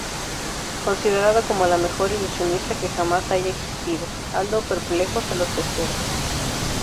Considerada como la mejor ilusionista que jamás haya existido, Aldo perplejos a los expertos.